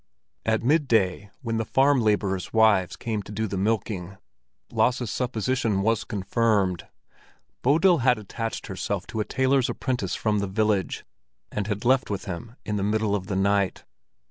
At midday, when the farm laborers' wives came to do the milking, Lasse's supposition was confirmed: Bodil had attached herself to a tailor's apprentice from the village, and had left with him in the middle of the night.